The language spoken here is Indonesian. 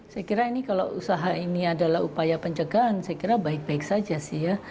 saya kira ini kalau usaha ini adalah upaya pencegahan saya kira baik baik saja sih ya